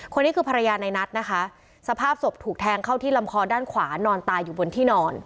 คนนี้คือภรรยาในนัทนะคะสภาพศพถูกแทงเข้าที่ลำคอด้านขวานอนตายอยู่บนที่นอน